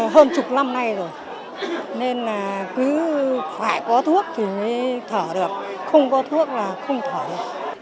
hơn chục năm nay rồi nên là cứ phải có thuốc thì mới thở được không có thuốc là không thở được